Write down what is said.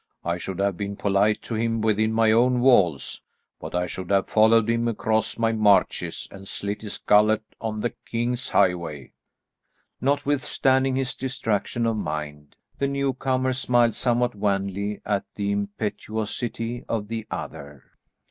I should have been polite to him within my own walls, but I should have followed him across my marches and slit his gullet on the king's highway." Notwithstanding his distraction of mind the newcomer smiled somewhat wanly at the impetuosity of the other.